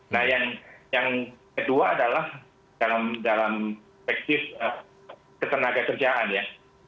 nah yang kedua adalah dalam efektif ketenagakerjaan ya